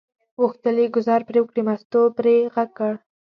غوښتل یې ګوزار پرې وکړي، مستو پرې غږ وکړ.